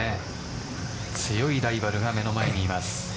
強いライバルが目の前にいます。